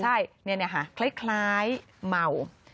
ใช่นี่คล้ายเมา